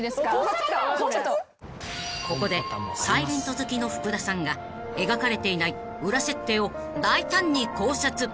［ここで『ｓｉｌｅｎｔ』好きの福田さんが描かれていない裏設定を大胆に考察］